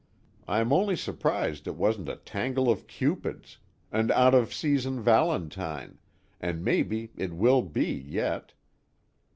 I'm only surprised it wasn't a tangle of Cupids, an out of season Valentine, and maybe it will be yet.